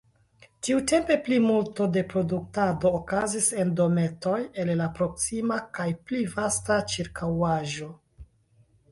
Tiutempe plimulto de produktado okazis en dometoj el la proksima kaj pli vasta ĉirkaŭaĵo.